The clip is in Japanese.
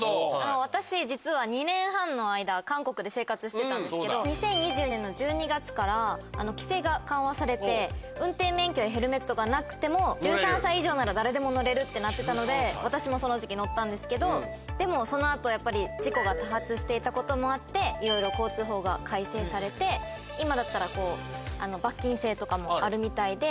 私実は２年半の間韓国で生活してたんですけど２０２０年の１２月から規制が緩和されて運転免許やヘルメットがなくても１３歳以上なら誰でも乗れるってなってたので私もその時期乗ったんですけどでもその後やっぱり事故が多発していたこともあっていろいろ交通法が改正されて今だったらこう罰金制とかもあるみたいで。